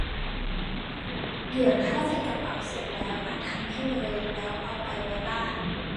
เด๋วถ้าจัดกระเป๋าเสร็จแล้วอาจทำให้เลย แล้วเอาไปไว้บ้าน